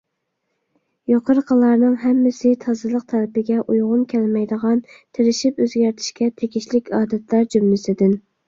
يۇقىرىقىلارنىڭ ھەممىسى تازىلىق تەلىپىگە ئۇيغۇن كەلمەيدىغان، تىرىشىپ ئۆزگەرتىشكە تېگىشلىك ئادەتلەر جۈملىسىدىن.